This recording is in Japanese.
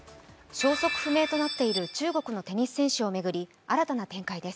消息不明となっている中国のテニス選手を巡り新たな展開です。